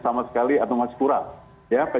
sama sekali atau masih kurang ya